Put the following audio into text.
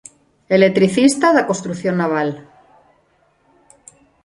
Electricista da construción naval.